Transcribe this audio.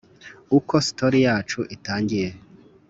uko story yacu itangiye